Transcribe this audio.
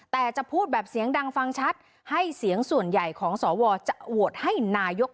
แต่จะพูดแบบเสียงดังฟังชัดให้เสียงส่วนใหญ่ของสวจะโหวตให้นายก